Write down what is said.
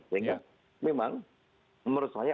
sehingga memang menurut saya